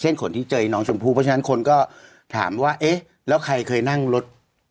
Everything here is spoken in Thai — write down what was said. คนที่เจอน้องชมพู่เพราะฉะนั้นคนก็ถามว่าเอ๊ะแล้วใครเคยนั่งรถ